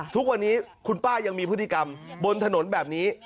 ทุกวันนี้คุณป้ายังมีพฤติกรรมบนถนนแบบนี้